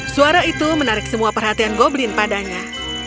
suara itu menarik semua perhatian goblin padanya